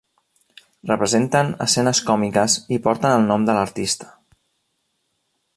Representen escenes còmiques i porten el nom de l'artista.